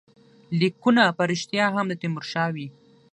لیکونه په ریشتیا هم د تیمورشاه وي.